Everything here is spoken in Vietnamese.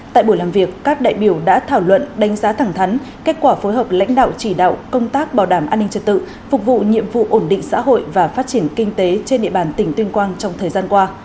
tại buổi làm việc các đại biểu đã thảo luận đánh giá thẳng thắn kết quả phối hợp lãnh đạo chỉ đạo công tác bảo đảm an ninh trật tự phục vụ nhiệm vụ ổn định xã hội và phát triển kinh tế trên địa bàn tỉnh tuyên quang trong thời gian qua